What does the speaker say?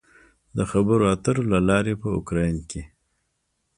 د خبرو اترو له لارې په اوکراین کې